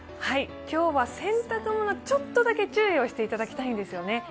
今日は洗濯物ちょっとだけ注意をしていただきたいんですよね。